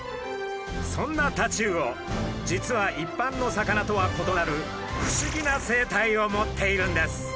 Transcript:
そんなタチウオ実は一般の魚とは異なる不思議な生態を持っているんです。